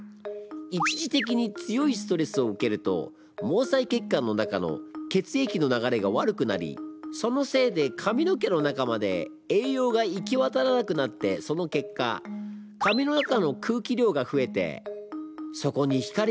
一時的に強いストレスを受けると毛細血管の中の血液の流れが悪くなりそのせいで髪の毛の中まで栄養が行きわたらなくなってその結果そうなのね。